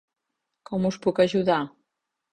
Com us puc ajudar?